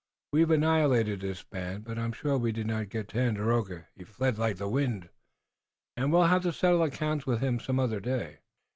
We've annihilated this band, but I'm sure we did not get Tandakora. He fled like the wind, and we'll have to settle accounts with him some other day."